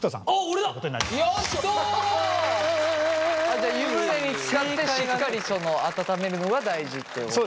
じゃ湯船につかってしっかり温めるのが大事ってことですね。